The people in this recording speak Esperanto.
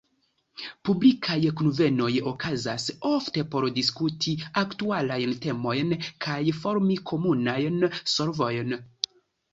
Publikaj kunvenoj okazas ofte por diskuti aktualajn temojn kaj formi komunajn solvojn.